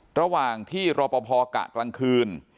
ระหว่างที่รอปภกะกลางคืน